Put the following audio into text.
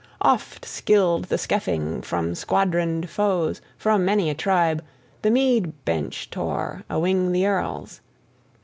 Oft Scyld the Scefing from squadroned foes, from many a tribe, the mead bench tore, awing the earls.